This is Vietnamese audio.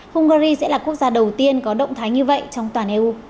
hungary sẽ là quốc gia đầu tiên có động thái như vậy trong toàn eu